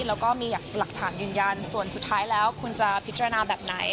แล้วก็มีหลักฐานยืนยันส่วนสุดท้ายแล้วคุณจะพิจารณาแบบไหน